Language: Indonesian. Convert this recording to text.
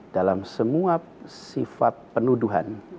dalam semua sifat penuduhan